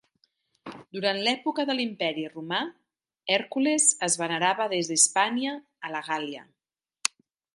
Durant l'època de l'Imperi romà, Hèrcules es venerava des d'Hispània a la Gàl·lia.